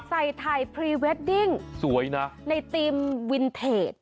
ใส่ถ่ายพรีเวดดิ้งสวยนะในทีมวินเทจ